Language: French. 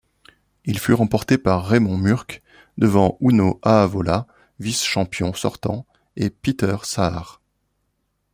Il fut remporté par Raimond Mürk devant Uno Aavola, vice-champion sortant, et Peeter Saar.